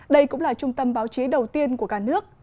đây cũng là trung tâm báo chí đầu tiên của cả nước